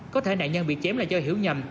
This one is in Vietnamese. có thể nạn nhân bị chém là do hiểu nhầm